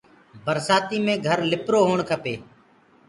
برسآتيٚ مي گھر لِپرو هوڻ کپي۔